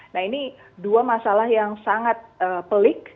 nah ini dua masalah yang sangat pelik